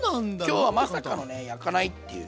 今日はまさかのね焼かないっていう。